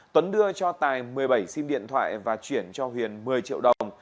tuấn đưa cho tài một mươi bảy sim điện thoại và chuyển cho huyền một mươi triệu đồng